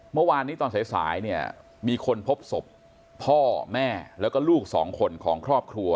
เมื่อวานนี้ตอนสายเนี่ยมีคนพบศพพ่อแม่แล้วก็ลูกสองคนของครอบครัว